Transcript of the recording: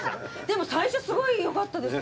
でも最初すごい良かったです